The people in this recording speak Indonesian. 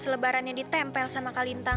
selebarannya ditempel sama kak lintang